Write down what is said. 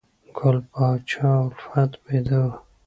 ګل پاچا الفت بیده و